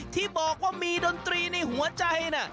ที่บอกว่ามีดนตรีในหัวใจน่ะ